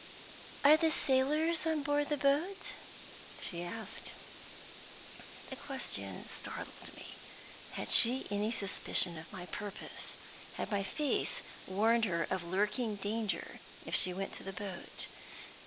"Are the sailors on board the boat?" she asked. The question startled me. Had she any suspicion of my purpose? Had my face warned her of lurking danger if she went to the boat?